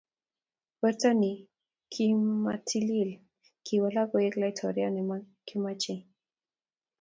Werto ni ki matilil ,kiwalak koek laitoryat ne makimechei